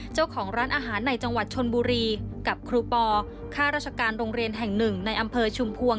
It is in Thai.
เจ้าของร้านอาหารในจังหวัดชนบุรีกับครูปอค่าราชการโรงเรียนแห่งหนึ่งในอำเภอชุมพวง